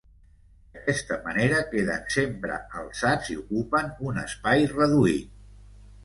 D'aquesta manera, queden sempre alçats i ocupen un espai reduït.